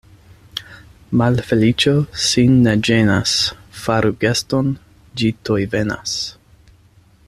Malfeliĉo sin ne ĝenas, faru geston — ĝi tuj venas.